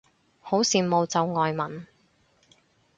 好羨慕就外文